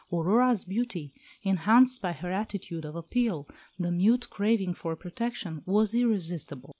Aurora's beauty, enhanced by her attitude of appeal, the mute craving for protection, was irresistible.